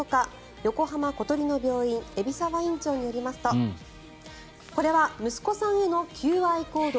横浜小鳥の病院海老沢院長によりますとこれは息子さんへの求愛行動。